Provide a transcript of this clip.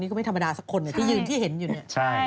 ก็ไม่ธรรมดาสักคนที่ยืนที่เห็นอยู่เนี่ย